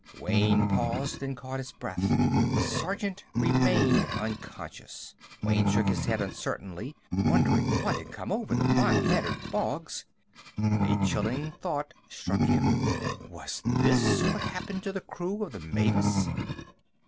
Wayne paused and caught his breath. The sergeant remained unconscious. Wayne shook his head uncertainly, wondering what had come over the mild mannered Boggs. A chilling thought struck him: _was this what happened to the crew of the Mavis?